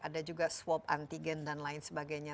ada juga swab antigen dan lain sebagainya